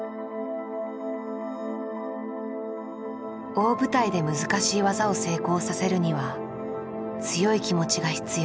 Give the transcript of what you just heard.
大舞台で難しい技を成功させるには強い気持ちが必要だ。